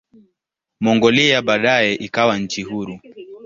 Mongolia baadaye ikawa nchi huru.